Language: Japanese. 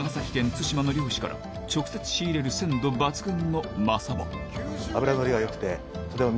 対馬の漁師から直接仕入れる鮮度抜群の真サバ